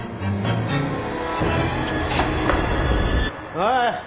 おい。